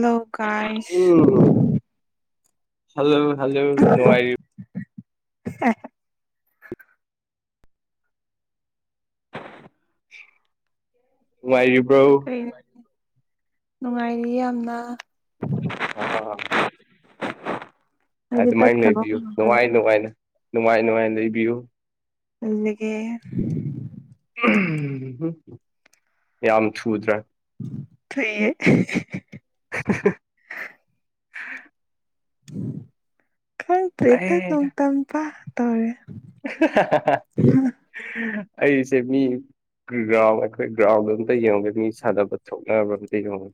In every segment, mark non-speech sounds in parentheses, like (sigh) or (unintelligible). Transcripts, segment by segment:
ꯂꯧ ꯀꯥꯏꯁ ꯎꯝ ꯍꯜꯂꯣ ꯍꯜꯂꯣ ꯅꯨꯡꯉꯥꯏꯔꯤꯕ (unintelligible) ꯋꯥꯏ ꯀꯔꯤ ꯅꯨꯡꯉꯥꯏꯔꯤ ꯌꯥꯝꯅ ꯑ ꯑꯩꯗꯤ ꯑꯗꯨꯃꯥꯏꯅ ꯇꯠꯈ꯭ꯔꯕ ꯂꯩꯕꯤꯌꯨ ꯅꯨꯡꯉꯥꯏ ꯅꯨꯡꯉꯥꯏꯅ ꯅꯨꯡꯉꯥꯏ ꯅꯨꯡꯉꯥꯏꯅ ꯂꯩꯕꯤꯌꯨ ꯅꯒ ꯌꯥꯝ ꯁꯨꯗ꯭ꯔꯦ ꯊꯌꯦ ꯍ ꯀꯪꯇ꯭ꯔꯦꯇ ꯇ ꯑꯦ ꯇꯝꯄ ꯇꯦ ꯑꯩꯁꯦ ꯃꯤ ꯒ꯭ꯔꯥꯎꯟ ꯑꯩꯈꯣꯏ ꯒ꯭ꯔꯥꯎꯟꯗ ꯑꯝꯇ ꯌꯦꯡꯉꯦ ꯃꯤ ꯁꯥꯟꯅꯕ ꯊꯣꯛꯅꯕ ꯑꯝꯇ ꯌꯦꯡꯉꯦ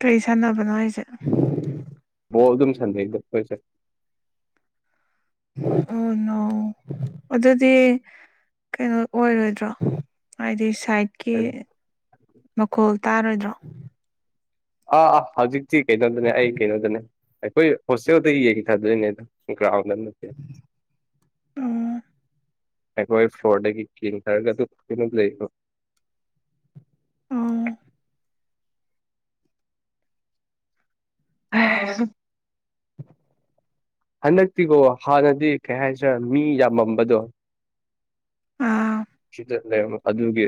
ꯀꯔꯤ ꯁꯥꯟꯅꯕꯅꯣ ꯍꯥꯏꯁꯦ ꯑꯣ ꯑꯗꯨꯝ ꯁꯥꯟꯅꯩꯗ ꯑꯩꯈꯣꯏꯁꯦ ꯑꯅꯧ ꯑꯗꯨꯗꯗꯤ ꯀꯩꯅꯣ ꯑꯣꯏꯔꯣꯏꯗ꯭ꯔꯣ ꯍꯥꯏꯗꯤ ꯁꯥꯏꯠꯀꯤ ꯃꯈꯣꯜ ꯇꯥꯔꯣꯏꯗ꯭ꯔꯣ ꯑꯥ ꯑꯥ ꯍꯧꯖꯤꯛꯇꯤ ꯀꯩꯅꯣꯗꯅꯦ ꯑꯩ ꯀꯩꯅꯣꯗꯅꯦ ꯑꯩꯈꯣꯏ ꯍꯣꯁꯇꯦꯜꯗ ꯌꯦꯡꯈꯤ ꯊꯥꯗꯣꯏꯅꯦꯗ ꯥꯎꯗꯠꯇ ꯎꯝ ꯑꯩꯣꯏ ꯑꯩ ꯐ꯭ꯂꯣꯔꯗ ꯀꯤꯡ ꯊꯔꯒ ꯂꯩꯕ ꯑꯣ ꯍ ꯍꯟꯗꯛꯇꯤꯀꯣ ꯍꯥꯟꯅꯗꯤ ꯀꯩ ꯍꯥꯏꯁꯤ꯭ꯔꯥ ꯃꯤ ꯌꯥꯝꯃꯝꯕꯗꯣ ꯑꯥ ꯁꯤꯗ ꯂꯩ ꯑꯗꯨꯒꯤ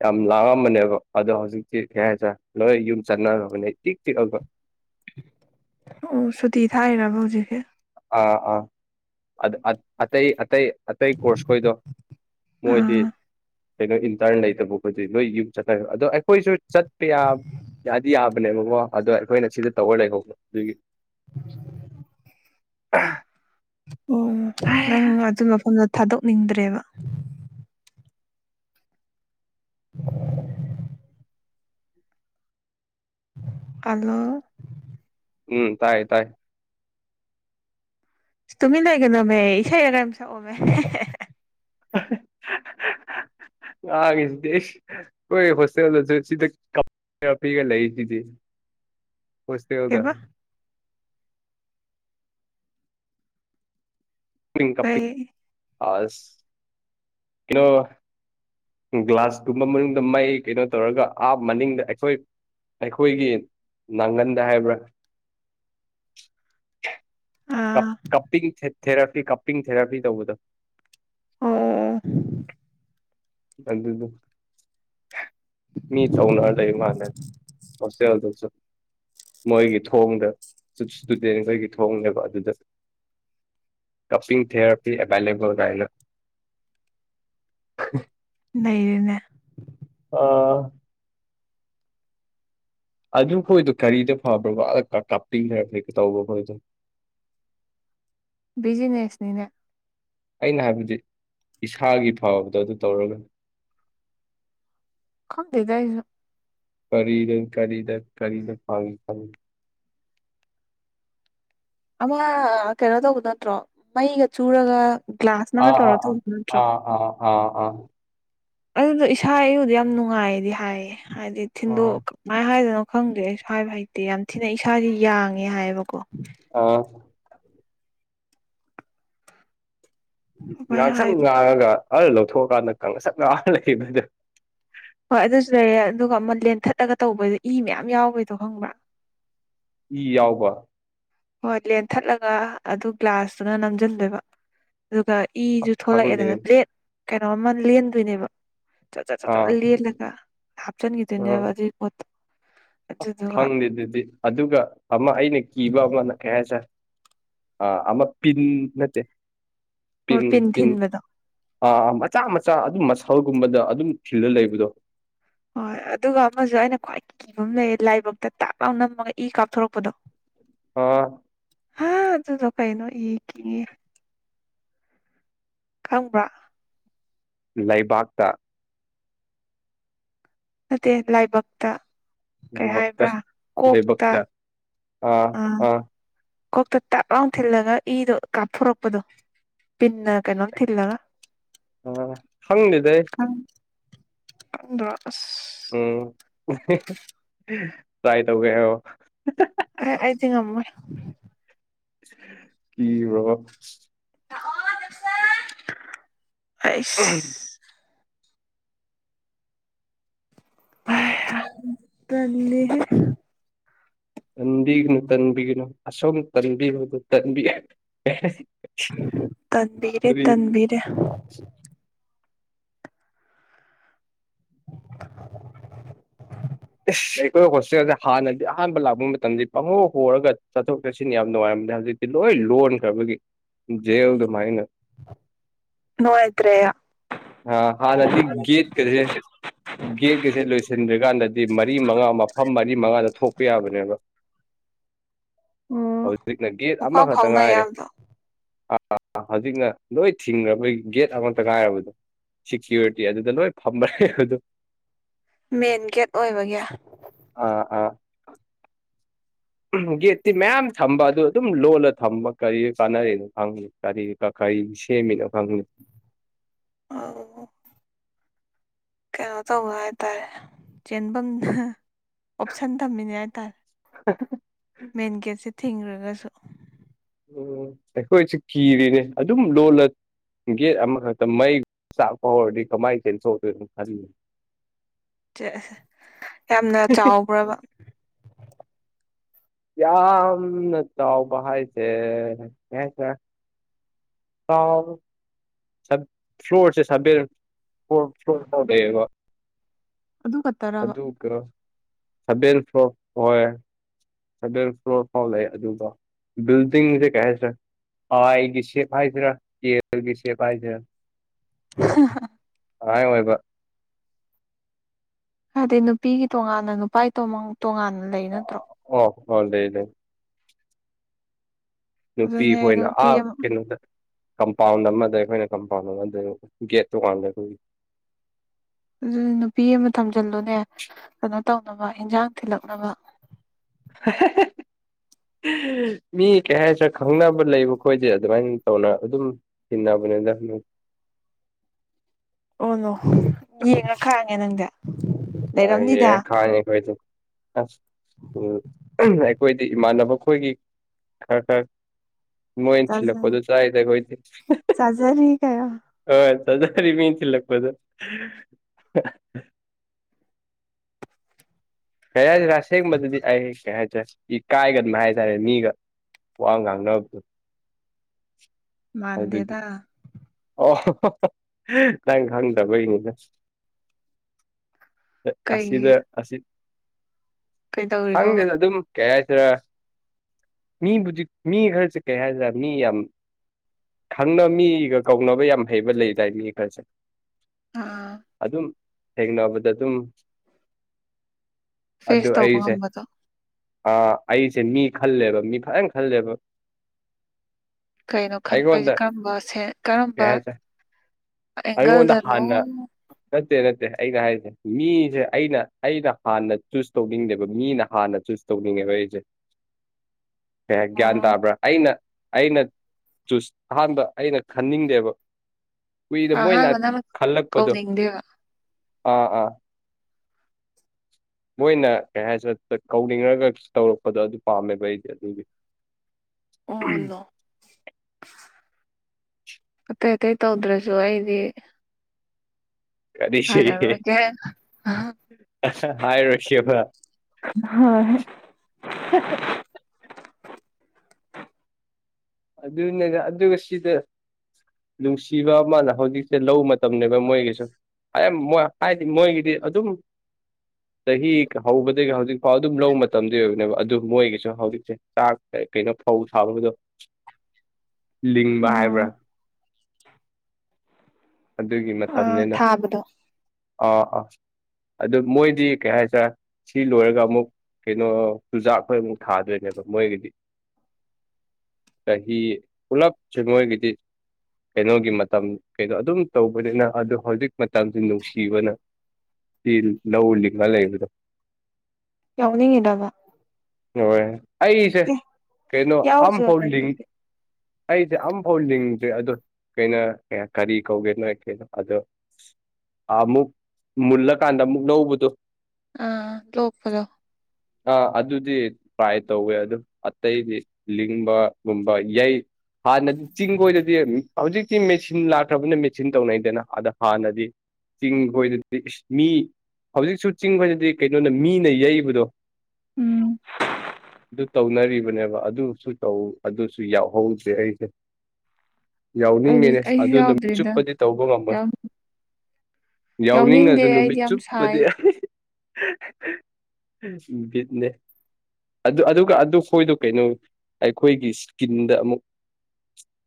ꯌꯥꯝ ꯂꯥꯛꯑꯝꯕꯅꯦꯕ ꯑꯗꯣ ꯍꯧꯖꯤꯛꯇꯤ ꯀꯩ ꯍꯥꯏꯇꯥꯔꯦ ꯂꯣꯏ ꯌꯨꯝ ꯆꯠꯅꯕꯅꯦ ꯇꯤꯛ ꯇꯤꯛꯑꯒ ꯑꯣ ꯁꯨꯇꯤ ꯊꯥꯏꯔꯕ ꯍꯧꯖꯤꯛꯁꯦ ꯑꯥ ꯑꯥ ꯑꯗ ꯑ ꯑꯇꯩ ꯑꯇꯩ ꯑꯇꯩ ꯀꯣꯔꯁ ꯈꯣꯏꯗꯣ ꯃꯣꯏꯗꯤ ꯑꯥ ꯀꯩꯅꯣ ꯏꯟꯇꯔꯟ ꯂꯩꯇꯕ ꯑꯩꯈꯗꯤ ꯂꯣꯏ ꯌꯨꯝ ꯆꯠꯅ ꯑꯗꯣ ꯑꯩꯈꯣꯏꯁꯨ ꯆꯠꯄ ꯌꯥ ꯌꯥꯗꯤ ꯌꯥꯕ ꯅꯦꯕꯀꯣ ꯑꯗꯣ ꯑꯩꯈꯣꯏꯅ ꯁꯤꯗ ꯇꯧꯔ ꯂꯩꯍꯧꯕ ꯑꯗꯨꯒꯤ ꯑꯣ ꯅꯪ ꯑꯗꯨ ꯃꯐꯝꯗ ꯊꯥꯗꯣꯛꯅꯤꯡꯗ꯭ꯔꯦꯕ (unintelligible) ꯑꯂꯣ ꯎꯝ ꯇꯥꯏ ꯇꯥꯏ ꯇꯨꯃꯤ ꯂꯩꯒꯅꯣꯃꯦ ꯏꯁꯩ ꯑꯔꯝ ꯁꯛꯑꯣꯃꯦ ꯑ ꯎ ꯑꯉꯁꯤꯗꯤ ꯑꯩꯈꯣꯏ ꯍꯣꯁꯇꯦꯜ ꯁꯤꯗ ꯄꯤꯒ ꯂꯩꯁꯤꯗꯤ (inaudible) ꯄꯣꯁꯇꯣꯒ ꯀꯩꯕ ꯀ ꯀꯩ ꯑꯥꯁ ꯀꯂꯣ ꯒ꯭ꯂꯥꯁꯀꯨꯝꯕ ꯃꯅꯨꯡꯗ ꯃꯩ ꯀꯩꯅꯣ ꯇꯧꯔꯒ ꯑꯥꯞ ꯃꯅꯤꯡꯗ ꯑꯩꯈꯣꯏ ꯑꯩꯈꯣꯏꯒꯤ ꯅꯥꯥꯡꯒꯟꯗ ꯍꯥꯏꯕ꯭ꯔꯥ (inaudible) ꯑꯥ ꯀꯞꯄꯤꯡ ꯊꯦꯔꯥꯄꯤ ꯀꯞꯄꯤꯡ ꯊꯦꯔꯥꯄꯤ ꯇꯧꯕꯗꯣ ꯑ ꯑꯗꯨ ꯑꯗꯨ ꯑꯗꯨ ꯃꯤ ꯆꯧꯅꯔꯗ ꯑꯩ ꯃꯥꯅꯦ ꯐꯁꯦ ꯑꯗꯨꯁꯨ ꯃꯣꯏꯒꯤ ꯊꯣꯡꯗ ꯏꯁꯇꯨꯗꯦꯟꯈꯣꯏꯒꯤ ꯊꯣꯡꯅꯦꯕ ꯑꯗꯨꯗ ꯀꯄꯤꯡ ꯊꯦꯔꯄꯤ ꯑꯚꯂꯕꯜꯅ ꯂꯩꯔꯉ ꯑꯥ ꯑꯗꯨꯈꯣꯏꯗꯨ ꯀꯔꯤꯗ ꯐꯕ꯭ꯔꯕ ꯑꯗ ꯀꯥꯞꯄꯤꯈ꯭ꯔꯩ ꯇꯧꯕ ꯈꯣꯏꯗꯣ ꯖꯤꯅꯦꯦꯁꯅꯤꯅ ꯑꯩꯅ ꯍꯥꯏꯕꯗꯤ ꯏꯁꯥꯒꯤ ꯐꯕꯗ ꯑꯗꯨ ꯇꯧꯔꯒꯅꯤ ꯀꯗꯗꯁꯨ ꯀꯔꯤꯗ ꯀꯔꯤꯗ ꯀꯔꯤꯗ ꯐꯥꯔꯤ ꯈ ꯑꯃ ꯀꯩꯅꯣ ꯇꯧꯕꯗꯣ ꯅꯠꯇ꯭ꯔꯣ ꯃꯩꯒ ꯆꯨꯔꯒ ꯒ꯭ꯂꯥꯁꯅꯒ ꯑꯥ ꯇꯧꯔ ꯑꯥ ꯑꯥ ꯇꯧꯕ ꯅꯠꯇ꯭ꯔꯣ ꯑꯥ ꯑꯥ ꯑꯥ ꯑꯥ ꯑꯗꯨꯗꯣ ꯏꯁꯥ ꯑꯩꯕꯨꯗꯤ ꯌꯥꯝ ꯅꯨꯡꯉꯥꯏꯗꯤ ꯍꯥꯏꯌꯦ ꯍꯥꯏꯗꯤ ꯑꯥ ꯊꯤꯟꯗꯣꯛ ꯀꯃꯥꯏꯅ ꯍꯥꯏꯗꯅꯣ ꯄꯥꯈꯪꯗꯦ ꯑꯩꯁꯨ ꯍꯥꯏꯕ ꯍꯩꯇꯦ ꯌꯥꯝ ꯊꯤꯅ ꯏꯁꯥꯥꯁꯦ ꯌꯥꯡꯉꯦ ꯍꯥꯏꯕꯀꯣ ꯑꯥ ꯀꯃꯥꯏ ꯉꯥꯡꯁꯪ ꯍꯥꯏ ꯉꯥꯡꯉꯒ ꯑ ꯂꯧꯊꯣꯛꯑꯀꯥꯟꯗ ꯀꯥꯡꯁꯛ ꯉꯥꯡꯑ ꯂꯩꯕꯗꯣ ꯍꯣꯏ ꯑꯗꯨꯁꯨ ꯂꯩꯔꯦ ꯑꯗꯨꯒ ꯑꯃ ꯂꯦꯟꯊꯠꯂꯒ ꯇꯧꯕꯗꯣ ꯏ ꯃꯌꯥꯝ ꯌꯥꯎꯕꯩꯗꯣ ꯍꯪꯕ꯭ꯔꯥ ꯏ ꯌꯥꯎꯕ ꯍꯣꯏ ꯂꯦꯟꯊꯠꯂꯒ ꯑꯗꯨ ꯒ꯭ꯂꯥꯁꯇꯨꯅ ꯅꯝꯁꯤꯟꯗꯣꯏꯕ ꯑꯗꯨꯒ ꯑ, ꯏꯁꯨ ꯈꯪꯗꯦ ꯊꯣꯛꯂꯛꯑꯦꯗꯅ ꯕ꯭ꯂꯦꯠ ꯀꯩꯅꯣ ꯑꯃ ꯂꯦꯟꯗꯣꯏꯅꯦꯕ ꯆ ꯆ ꯆ ꯆ ꯑꯥ ꯂꯂꯒ ꯍꯥꯞꯆꯟꯒꯈꯤꯗꯅꯦꯕꯖꯤꯣꯠꯇ ꯐꯪꯗꯦ ꯑꯗꯨꯗꯤ ꯑꯗꯨꯒ ꯑꯃ ꯑꯩꯅ ꯀꯤꯕ ꯑꯃꯅ ꯀꯩ ꯁꯥꯔ ꯑꯃ ꯄꯤꯟ ꯅꯠꯇꯦ ꯑꯣ ꯄꯤꯟ ꯊꯤꯟꯕꯗ ꯑꯥ ꯑꯥ ꯃꯆꯥ ꯃꯆꯥ ꯑꯗꯨꯝ ꯃꯁꯜꯒꯨꯝꯕꯗ ꯑꯗꯨꯝ ꯐꯤꯜꯗ ꯂꯩꯕꯗꯣ ꯍꯣꯏ ꯑꯗꯨꯒ ꯑꯃꯁꯨ ꯑꯩꯅ ꯈ꯭ꯋꯥꯏ ꯀꯤꯕ ꯑꯃ ꯂꯩ ꯂꯥꯏꯕꯛꯇ ꯇꯥꯛ ꯂꯥꯎ ꯅꯝꯃꯒ ꯏ ꯀꯥꯞꯊꯣꯔꯛꯄꯗꯣ ꯑꯣ ꯍꯥꯥ ꯑꯗꯨꯗ ꯀꯥꯏꯅꯣ ꯌꯦ ꯈꯪꯕ꯭ꯔꯥ ꯂꯩꯕꯥꯛꯇ ꯅꯠꯇꯦ ꯂꯥꯏꯕꯛꯇ ꯀꯩ ꯂꯩꯕꯛꯇ ꯍꯥꯏꯕ꯭ꯔꯥ ꯀꯣꯛꯇ ꯂꯩꯕꯛꯇ ꯑꯥ ꯑꯥ ꯀꯣꯛꯇ ꯇꯥꯛ ꯂꯥꯎ ꯊꯤꯜꯂꯒ ꯏꯗꯣ ꯀꯥꯞꯊꯣꯔꯛꯄꯗꯣ ꯄꯨꯅ ꯀꯩꯅꯣꯇꯂ ꯑ ꯍꯪꯅꯤꯗ ꯗ ꯎꯝ ꯇ꯭ꯔꯥꯏ ꯇꯧꯒꯦꯔꯣ ꯑ ꯑꯩ ꯊ ꯑꯃ ꯀꯔꯕꯕꯥ ꯎ ꯑꯩꯁ ꯑ ꯇꯅꯤ ꯂꯩꯦ ꯇꯟꯕꯤꯒꯅꯨ ꯇꯟꯕꯤꯒꯅꯨ ꯑꯁꯣꯝ ꯇꯟꯕꯤꯕꯕꯤ ꯇꯟꯕꯤꯔꯦ ꯇꯟꯕꯤꯔꯦ ꯑꯩ ꯑꯩꯈꯣꯏ ꯍꯣꯁꯇꯦꯜꯁꯦ ꯍꯥꯟꯅꯗꯤ ꯑꯍꯥꯟꯕ ꯂꯥꯛꯄ ꯃꯇꯝꯁꯤ ꯄꯪꯍꯧ ꯍꯣꯔꯔꯒ ꯆꯠꯊꯣꯛ ꯆꯠꯁꯤꯅ ꯌꯥꯝꯅ ꯅꯨꯡꯉꯥꯏꯔꯝꯗꯦ ꯍꯧꯖꯤꯛꯇꯤ ꯁꯤ ꯂꯣꯏ ꯂꯣꯟꯈ꯭ꯔꯕꯒꯤ ꯖꯦꯜ ꯑꯗꯨꯃꯥꯏꯅ ꯅꯣꯣꯏꯗ꯭ꯔꯦ ꯑ ꯍꯥꯥ ꯅꯗꯤ ꯒꯤꯦꯠ ꯀꯩꯁꯦ ꯒꯦꯠꯀꯁꯦ ꯂꯣꯏꯁꯤꯟꯗ꯭꯭ꯔꯔꯤꯀꯥꯟꯗꯗꯤ ꯃꯔꯤ ꯃꯉꯥ ꯃꯐꯝ ꯑ ꯃꯔꯤ ꯃꯉꯥꯗ ꯊꯣꯛꯄ ꯌꯥꯕꯅꯦꯕ ꯑꯣ ꯍꯧꯖꯤꯛꯅ ꯒꯦꯠ ꯄꯐꯥꯎ ꯑꯃꯈꯛꯇ ꯐꯥꯎꯅ ꯉꯥꯏꯔꯦ ꯌꯥꯕꯗꯣ ꯍꯧꯖꯤꯛꯅ ꯂꯣꯏ ꯊꯤꯡꯈ꯭ꯔꯕꯣꯏ ꯒꯦꯠ ꯑꯃꯇ ꯉꯥꯏꯔꯕꯗꯣ ꯁꯤꯦꯀ꯭ꯌꯨꯔꯤꯇꯤ ꯑꯗꯨꯗ ꯂꯣꯏ ꯐꯝꯕ꯭ꯔꯦ ꯑꯗꯨ ꯃꯦꯟ ꯒꯦꯠ ꯑꯣꯏꯕꯒꯤ ꯑꯥ ꯑꯥ ꯒꯦꯠꯇꯤ ꯃꯌꯥꯝ ꯊꯝꯕ ꯑꯗꯨ ꯑꯗꯨꯝ ꯂꯣꯜꯂ ꯊꯝꯕ ꯀꯔꯤ ꯀꯥꯟꯅꯔꯅꯣ ꯈꯪꯉꯤ ꯀꯔꯤ ꯀ ꯑꯩ ꯁꯦꯝꯦ ꯃꯤ ꯐꯪꯅꯤ ꯑꯣ ꯀꯩꯅꯣ ꯇꯧꯕ ꯍꯥꯏꯇꯥꯔꯦ ꯆꯦꯟꯐꯝ ꯑꯣꯞꯁꯟ ꯊꯝꯃꯤꯅꯦ ꯍꯥꯏꯇꯥꯔꯦ (unintelligible) ꯃꯦꯟ ꯒꯦꯠꯁꯦ ꯊꯤꯡꯈ꯭ꯔꯒꯁꯨ ꯎꯝ ꯑꯩꯈꯣꯏꯁꯨ ꯀꯤꯔꯤꯅꯦ ꯑꯗꯨꯝ ꯂꯣꯜꯂ ꯒꯤꯦ ꯑꯃ ꯃꯩ ꯁꯥ ꯐꯋꯥꯔꯗꯤ ꯀꯃꯥꯏꯁ ꯁꯣ ꯇ ꯈ ꯆꯦꯁꯦ ꯌꯥꯝꯅ ꯆꯥꯎꯕ꯭ꯔꯕ ꯌꯥꯝꯝ ꯅ ꯇꯥꯎꯕꯔꯁ ꯀꯁ ꯇꯥꯎ ꯐ꯭ꯂꯣꯔꯁꯦ ꯁꯦꯟ ꯐ ꯐ꯭ꯂꯣꯔ ꯇ ꯂꯩꯌꯦꯕ ꯑꯗꯨ ꯈꯛꯇꯕ ꯁꯕ ꯐ꯭ꯂꯣ ꯍꯣꯏ ꯁꯒꯦꯟ ꯐ꯭ꯂꯣꯣꯔ ꯐꯥꯎ ꯑꯕ ꯤꯜꯗꯤꯡꯁꯦ ꯀꯥꯏꯁꯦ ꯑ ꯑꯩꯒꯤ ꯁꯦꯞ ꯍꯥꯏꯁꯤꯔꯥ ꯌꯦꯜꯒꯤ ꯁꯦꯕ ꯍꯥꯏꯁꯤꯔꯥ ꯍ ꯑꯥꯏ ꯑꯣꯏꯕ ꯍꯥꯏꯗꯤ ꯅꯨꯄꯤꯒꯤ ꯇꯣꯉꯥꯟꯅ ꯅꯨꯄꯥꯒꯤ ꯇꯣꯉꯥꯟꯅ ꯂꯩ ꯅꯠꯇ꯭ꯔꯣ ꯍꯜ ꯗꯦ ꯂꯩ ꯅꯨꯄꯤ ꯑꯗꯨꯅꯦ ꯍꯣꯏꯅ ꯅꯨꯄꯤ ꯑꯥ ꯑꯃ ꯀꯩꯅꯣꯗ ꯀꯝꯄꯥꯎꯟ ꯑꯃꯗ ꯑꯩꯈꯣꯏꯅ ꯀꯝꯄꯥꯎꯟ ꯑꯃꯗ ꯒꯦꯠ ꯇꯣꯀꯥꯟꯗ ꯑꯩꯈꯣꯏꯒꯤ ꯑꯗꯨ ꯅꯨꯄꯤ ꯑꯃ ꯊꯝꯖꯤꯜꯂꯨꯅꯦ ꯀꯩꯅꯣ ꯇꯧꯅꯕ ꯏꯟꯁꯥꯡ ꯊꯤꯜꯂꯛꯅꯕ ꯎ ꯃꯤ ꯀꯩ ꯍꯥꯏꯁꯤꯔ ꯈꯪꯅꯕ ꯂꯩꯕ ꯈꯣꯏꯁꯦ ꯑꯗꯨꯃꯥꯏꯅ ꯇꯧꯅ ꯑꯗꯨꯝ ꯊꯤꯟꯅꯅꯕꯅꯤꯅ (unintelligible) ꯑꯣ ꯅꯣ ꯌꯦꯡꯉ ꯈꯥꯡꯉꯦ ꯅꯪꯗ ꯍ ꯈꯅꯤ ꯀ ꯎ ꯑꯩꯈꯣꯏꯗꯤ ꯏꯃꯥꯟꯅꯕ ꯈꯣꯏꯒꯤ ꯈꯔ ꯈꯔ ꯃꯣꯏ ꯀꯣꯗꯨ ꯆꯥꯏꯗ ꯀꯣꯏ ꯆꯥꯖꯔꯤ ꯀꯩꯅꯣ ꯑ ꯆꯗꯔꯤ ꯃꯤ ꯊꯤ ꯂꯄꯗ ꯀꯌꯥ ꯔꯁ ꯃꯗꯤ ꯍꯥꯏ ꯀꯌꯥ ꯆ ꯏ ꯀꯥꯏꯒꯗꯅ ꯍꯥꯏꯁꯔꯦ ꯃꯤꯒ ꯋꯥ ꯉꯥꯡꯅꯕꯗꯨ ꯃꯥꯟꯗꯦꯗ ꯑꯣ ꯅꯪ ꯈꯪꯗꯕꯩꯅꯤꯗ ꯀꯩꯒꯤ ꯑꯁꯤꯁꯤꯗ ꯑꯁꯤꯁꯤ ꯀꯩꯗꯧꯔꯤꯅꯣꯕ ꯍꯪꯗꯦꯅ ꯑꯗꯨꯝ ꯀꯩ ꯍꯥꯏꯁꯤꯔ ꯃꯤꯕꯨꯖꯤꯛ ꯃꯤ ꯈꯔꯁꯦ ꯀꯩ ꯍꯥꯏꯔꯦ ꯃꯤ ꯌꯥꯝ ꯈꯪꯅꯕ ꯃꯤꯒ ꯀꯧꯅꯕ ꯌꯥꯝ ꯍꯩꯕ ꯂꯩꯗꯥ ꯃꯤ ꯈꯜꯁꯦ ꯑꯥ ꯑꯗꯨꯝ ꯍꯦꯒꯅꯣꯕꯗ ꯇꯨ ꯐꯦꯁ ꯇꯧꯕꯣꯝꯝꯕꯗ ꯑ ꯑꯩꯁꯦ ꯃꯤ ꯈꯜꯂꯦꯕ ꯃꯤ ꯐꯖꯅ ꯈꯜꯂꯦꯕ ꯀꯩꯅꯣ ꯈꯟꯕꯁꯦ ꯑꯩꯉꯣꯟꯗ ꯀꯔꯝꯕꯁꯦ ꯀꯩ ꯀꯔꯝꯕ ꯍꯥꯏꯁꯦ ꯑꯩꯉꯣꯟꯗ ꯑꯦꯡꯒꯜꯗꯅꯣ ꯍꯥꯟꯅ ꯅꯠꯇꯦ ꯅꯠꯇꯦ ꯑꯩꯩꯅ ꯍꯥꯏꯔꯤꯁꯦ ꯃꯤꯁꯦ ꯑꯩꯅ ꯑꯩꯅ ꯍꯥꯟꯅ ꯆꯨꯁ ꯇꯧꯅꯤꯡꯗꯦꯕ ꯃꯤꯅ ꯍꯥꯟꯅ ꯇꯧꯅꯤꯡꯉ ꯦ (unintelligible) (inaudible) ꯑꯦ ꯒ꯭ꯌꯥꯟ ꯑꯣ ꯇꯥꯕ꯭ꯔꯥ ꯑꯩꯅ ꯑꯩꯅ ꯆꯁ ꯑꯍꯥꯟꯕ ꯑꯩꯅ ꯈꯟꯅꯤꯡꯗꯦꯕ ꯀꯨꯏꯗ ꯃꯣꯏꯅ ꯑꯍꯥꯟꯕꯅ ꯈꯜꯂꯛꯄꯗꯣ ꯀꯧꯅꯤꯡꯗꯦꯕ ꯑꯥ ꯑꯥ (unintelligible) (inaudible) ꯃꯣꯏꯅ ꯀꯩ ꯍꯥꯏꯁꯤꯦ ꯀꯧꯅꯤꯡꯉꯒ ꯇꯧꯔꯛꯄꯗꯣ ꯑꯗꯨ ꯄꯥꯝꯃꯦꯕ ꯑꯩꯗꯤ ꯑꯗꯨꯏꯗꯤ ꯑꯣꯂꯣ (inaudible) (unintelligible) (inaudible) ꯑꯇꯩ ꯑꯇꯩ ꯇꯧꯗ꯭ꯔꯁꯨ ꯑꯩꯗꯤ ꯀꯔꯤꯁꯤ ꯍꯥꯏꯦ ꯍꯥꯏꯔꯣꯏꯁꯦꯕ (unintelligible) (inaudible) ꯍꯣꯏ (unintelligible) (inaudible) (unintelligible) (inaudible) ꯑꯗꯨꯅ ꯑꯗꯨꯗ ꯀꯁꯤꯗ ꯅꯨꯡꯁꯤꯕ ꯑꯃꯅ ꯍꯧꯖꯤꯛꯁꯦ ꯂ ꯃꯇꯝꯅꯦꯕ ꯃꯣꯏꯒꯤꯁꯨ ꯃꯣꯏ ꯍꯥꯏꯗꯤ ꯃꯣꯏꯒꯤꯗꯤ ꯑꯗꯨꯝ ꯆꯍꯤ ꯍꯧꯕꯒ ꯍꯧꯖꯤꯛ ꯐꯥꯎ ꯑꯗꯨꯝ ꯂꯧꯕ ꯃꯇꯝꯗꯨ ꯑꯣꯏꯕꯅꯦꯕ ꯑꯗꯨ ꯃꯣꯏꯒꯤꯁꯨ ꯍꯧꯖꯤꯛꯁꯦ ꯆꯥꯛ ꯀꯩꯅꯣ ꯐꯧ ꯁꯥꯕꯕꯗꯣ ꯂꯤꯡꯕ ꯑꯥ ꯍꯥꯏꯕ꯭ꯔꯥ ꯑꯗꯨꯒꯤ ꯑ ꯃꯇꯝꯅꯤꯅ ꯊꯥꯕꯗꯣ ꯑꯥ ꯑꯥ ꯑꯗꯨ ꯃꯣꯏꯗꯤ ꯀꯩ ꯍꯥꯏꯁꯔꯦ ꯁꯤ ꯂꯣꯏꯔꯒ ꯑꯃꯨꯛ ꯀꯩꯅꯣ ꯆꯨꯖꯥꯛꯈꯣꯏ ꯑꯃꯨꯛ ꯊꯥꯗꯣꯏꯅꯦꯕ ꯃꯣꯏꯒꯤꯗꯤ ꯑꯣ (unintelligible) (inaudible) ꯆꯍꯤ ꯄꯨꯂꯞ ꯆꯋꯥꯣꯏꯒꯗꯤ ꯀꯩꯅꯣꯒꯤ ꯃꯇꯝ ꯀꯩꯅꯣ ꯑꯗꯨꯝ ꯇꯧꯕꯅꯤꯅ ꯑꯗꯨ ꯍꯧꯖꯤꯛ ꯃꯇꯝꯁꯤ ꯅꯨꯡꯁꯤꯕꯅ ꯇ ꯂꯧ ꯂꯤꯉ ꯂꯩꯗ ꯌꯥꯎꯅꯤꯡ ꯏꯗꯕ ꯍꯣꯏ ꯑꯩꯁꯦ ꯀꯩꯅꯣ ꯌꯥꯎꯗ꯭ꯔꯣꯅꯦ ꯑꯝꯐꯥꯎꯉꯤ ꯑꯗꯨꯗꯤ ꯑꯩꯁꯦ ꯑꯝꯐꯥꯎ ꯂꯤꯡꯗ꯭ꯔꯤ ꯑꯗꯣ ꯀꯩꯅ ꯀꯔꯤ ꯀꯧꯒꯦꯅ ꯑꯩ ꯀꯅꯣ ꯑꯗꯣ ꯑꯃꯨꯛ ꯃꯨꯜꯂꯀꯥꯟꯗ ꯑꯃꯨꯛ ꯂꯧꯕꯗꯨꯣ ꯑꯥ ꯂꯣꯛꯄꯗꯣ ꯑꯥ ꯑꯗꯨꯗꯤ ꯇ꯭ꯔꯥꯏ ꯇꯧꯋꯦ ꯑꯗꯨ ꯑꯇꯩꯗꯤ ꯂꯤꯡꯕꯒꯨꯝꯕ ꯌꯩ ꯍꯥꯟꯅꯗꯤ ꯆꯤꯡ ꯀꯣꯏꯗꯗꯤ ꯍꯧꯖꯤꯛꯇꯤ ꯃꯦꯆꯤꯟ ꯂꯥꯛꯇ꯭ꯔꯕꯅꯤꯅ ꯃꯦꯆꯤꯟ ꯇꯧꯅꯩꯗꯅ ꯑꯗ ꯍꯥꯟꯅꯗꯤ ꯆꯤꯡ ꯈꯣꯏꯗꯗꯤ ꯃꯤ ꯍꯧꯖꯤꯛꯁꯨ ꯆꯤꯡ ꯈꯣꯏꯗꯗꯤ ꯀꯩꯅꯣꯅ ꯃꯤꯅ ꯌꯩꯕꯗꯣ ꯎꯝ ꯑꯗꯨ ꯇꯧꯅꯔꯤꯕ ꯅꯦꯕ ꯑꯗꯨꯁꯨ ꯇ ꯑꯗꯨꯁꯨ ꯌꯥꯎꯍꯧꯗꯦ ꯑꯩꯁꯦ ꯑꯩꯗꯤ ꯌꯥꯎꯅꯤꯡꯉꯤꯅꯦ ꯑꯩꯁꯨ ꯑꯗꯨ ꯅꯨꯃꯤꯠ ꯌꯥꯎꯗ꯭ꯔꯤꯗ ꯆꯨꯞꯄꯗꯤ ꯇꯧꯕ ꯉꯝꯃꯣꯏ ꯌꯥꯎ ꯌꯥꯎꯅꯤꯡꯗꯦ ꯌꯥꯎꯅꯤꯡꯉꯁꯨ ꯑꯩꯗꯤ ꯅꯨꯃꯤꯠ ꯌꯥꯝ ꯁꯥꯏ ꯆꯨꯞꯄꯗꯤ ꯕꯣꯠ ꯅꯦ ꯑꯗꯨ ꯑꯗꯨꯒ ꯑꯗꯨ ꯍꯣꯏꯗꯣ ꯀꯩꯅꯣ ꯑꯩꯈꯣꯏꯒꯤ ꯏꯁꯀꯤꯟꯗ ꯑꯃꯨꯛ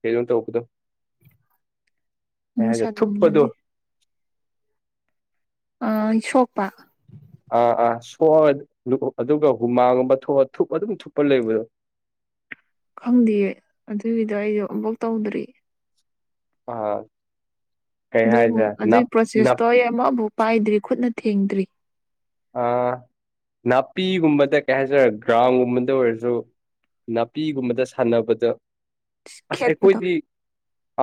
ꯀꯩꯅꯣ ꯇꯧꯕꯥꯗꯣ ꯊꯨꯞꯄꯗꯣ ꯃꯨꯁꯟꯒꯅꯤ ꯑꯥ ꯁꯣꯛꯄ ꯑꯥ ꯑꯥ ꯁꯣꯛ ꯑꯗꯨꯒ ꯍꯨꯃꯥꯒꯨꯝꯕ ꯊꯛꯑꯒ ꯊꯨꯞ ꯑꯗꯨꯝ ꯊꯨꯞꯄ ꯂꯩꯕꯗꯣ ꯈꯪꯗꯦꯌꯦ ꯑꯗꯨꯒꯤꯗꯣ ꯑꯩꯁꯨ ꯑꯃꯨꯛꯕꯨꯛ ꯇꯧꯗ꯭ꯔꯤ ꯑꯥ ꯀꯩ ꯑꯗꯨꯕꯨ ꯍꯥꯏꯁꯤꯔꯦ ꯑꯗꯨꯒꯤ ꯄ꯭ꯔꯣꯁꯦꯁꯇꯣ ꯑꯩ ꯑꯃ ꯕꯥꯎ ꯄꯥꯏꯗ꯭ꯔꯤ ꯈꯨꯠꯅ ꯊꯦꯡꯗ꯭ꯔꯤ ꯅꯥꯄꯤꯒꯨꯝꯕꯗ ꯀꯩ ꯍꯥꯏꯇꯥꯔꯦ ꯒ꯭ꯔꯥꯎꯟ ꯒꯨꯝꯕꯗ ꯑꯣꯏꯔꯁꯨ ꯅꯥꯄꯤꯒꯨꯝꯕꯗ ꯁꯥꯟꯅꯕꯗ ꯑꯁ ꯈꯦꯠꯄꯗꯣ ꯑꯩꯈꯣꯏꯗꯤ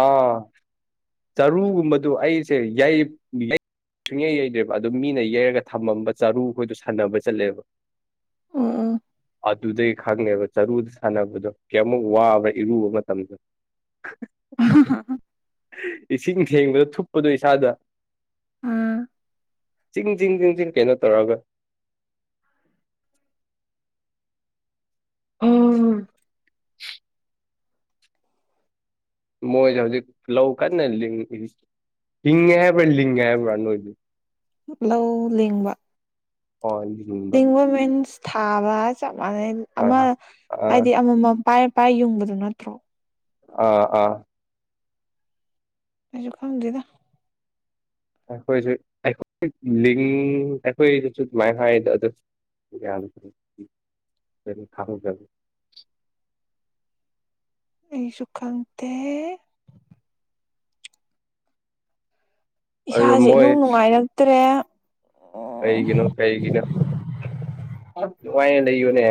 ꯑꯥ ꯆꯔꯨꯒꯨꯝꯕꯗꯨ ꯑꯩꯁꯦ ꯁꯨꯡꯌꯥꯩ ꯌꯩꯗ꯭ꯔꯦꯕ ꯑꯗꯨ ꯃꯤꯅ ꯌꯩꯔꯒ ꯊꯝꯃꯝꯕ ꯆꯔꯨ ꯈꯣꯏꯗꯣ ꯁꯥꯟꯅꯕ ꯆꯠꯂꯦꯕ ꯎꯝ ꯎꯝ ꯑꯗꯨꯗꯩ ꯈꯪꯉꯦꯕ ꯆꯔꯨꯗ ꯁꯥꯟꯅꯕꯗꯣ ꯀꯌꯥꯃꯨꯛ ꯋꯥꯕ ꯏꯔꯨꯕ ꯃꯇꯝꯗ ꯑ ꯏꯁꯤꯡ ꯊꯦꯡꯕꯗ ꯊꯨꯞꯄꯗꯣ ꯏꯁꯥꯗ ꯑꯣ ꯑ ꯖꯤꯡ ꯍꯤꯡ ꯀꯩꯅꯣ ꯇꯧꯔꯒꯥ ꯎꯝ ꯃꯣꯏ ꯍꯧꯖꯤꯛ ꯂꯧ ꯀꯟꯅꯥ ꯂꯤꯡꯂꯤ ꯂꯤꯡꯉꯦ ꯍꯥꯏꯕꯔꯣ ꯂꯤꯂꯦ ꯍꯥꯏꯕ꯭ꯔ ꯅꯣꯏꯗꯤ ꯂꯧ ꯂꯤꯡꯕ ꯂꯤꯡꯕ ꯃꯤꯟꯁ ꯊꯥꯕ ꯆꯞ ꯃꯅꯩ ꯑꯃ ꯑꯥ ꯑꯥ ꯍꯥꯏꯗꯤ ꯑꯃꯃꯝ ꯄꯥꯏꯔ ꯄꯥꯏꯔ ꯌꯨꯡꯕꯗꯨ ꯅꯠꯇ꯭ꯔꯣ ꯑꯥ ꯑꯥ ꯑꯩꯖꯨ ꯈꯪꯗꯦꯗꯥ ꯑꯩꯈꯣꯏꯁꯨ ꯑꯩꯈꯣꯏ ꯑꯩꯈꯣꯏꯗꯁꯨ ꯑꯗꯨꯃꯥꯏꯅ ꯍꯥꯏꯗ ꯑꯗꯨ ꯊꯔ ꯍꯤ ꯑꯩꯁꯨ ꯈꯪꯇꯦ ꯑꯗꯨ ꯏꯁꯥꯁꯦ ꯃꯣꯏ ꯏꯅꯨꯡ ꯅꯨꯡꯉꯥꯏꯔꯛꯇ꯭ꯔꯦ ꯎꯝ ꯀꯩꯒꯤꯅꯣ ꯀꯩꯒꯤꯅꯣ ꯅꯨꯡꯉꯥꯏꯅꯥ ꯂꯩꯌꯨꯅꯦ